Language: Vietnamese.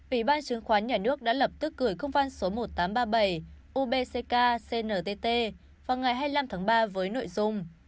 ủy ban chứng khoán nhà nước đã lập tức gửi công văn số một nghìn tám trăm ba mươi bảy ubc cntt vào ngày hai mươi năm tháng ba với nội dung